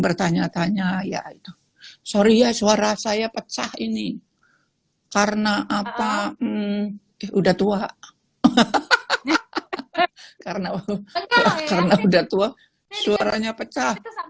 bertanya tanya ya itu sorry ya suara saya pecah ini karena apa udah tua karena udah tua suaranya pecah